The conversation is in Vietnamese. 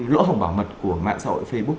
lỗ hồng bảo mật của mạng xã hội facebook